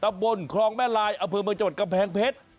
บนคลองแม่ลายอำเภอเมืองจังหวัดกำแพงเพชร